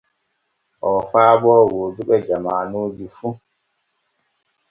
Oo faabo wooduɓe jamaanuji fu.